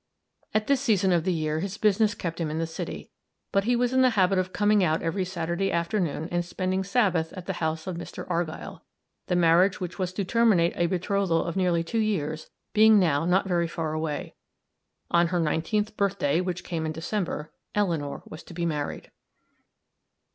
At this season of the year his business kept him in the city; but he was in the habit of coming out every Saturday afternoon and spending Sabbath at the house of Mr. Argyll, the marriage which was to terminate a betrothal of nearly two years being now not very far away. On her nineteenth birthday, which came in December, Eleanor was to be married.